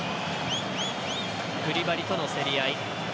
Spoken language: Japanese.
クリバリとの競り合い。